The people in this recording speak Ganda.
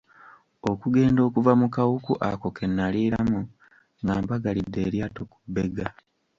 Okugenda okuva mu kawuku ako ke naliiramu nga mbagalidde eryato ku bbega.